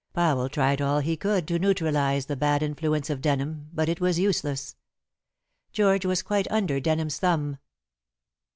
Powell tried all he could to neutralize the bad influence of Denham, but it was useless. George was quite under Denham's thumb."